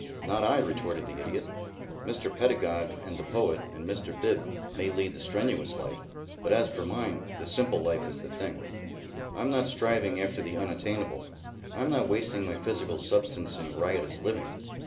"Not I," retorted the Idiot. "Mr. Pedagog and the Poet and Mr. Bib may lead the strenuous life, but as for mine the simple life is the thing. I'm not striving after the unattainable. I'm not wasting my physical substance in riotous living.